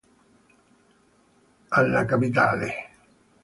Alla Capitale!